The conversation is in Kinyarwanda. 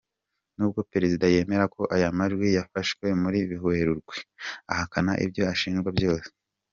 Nubwo perezida yemera ko aya majwi yafashwe muri Werurwe, ahakana ibyo ashinjwa byose.